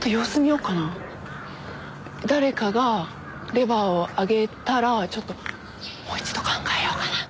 誰かがレバーを上げたらもう一度考えようかな。